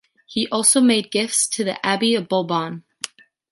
He also made gifts to the Abbey of Boulbonne.